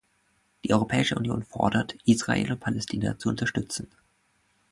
Die Europäische Union fordert, Israel und Palästina zu unterstützen.